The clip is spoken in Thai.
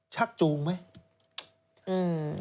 ชักจูงไหม